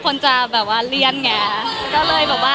โปรโหลอามาไม่ต้องหาเลยถ้า